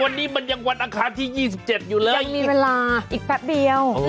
วันนี้มันยังวันอังคารที่๒๗อยู่เลยยังมีเวลาอีกแป๊บเดียว